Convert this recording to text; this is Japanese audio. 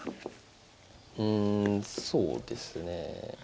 うんそうですね。